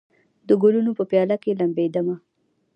د ګلونو په پیالو کې لمبېدمه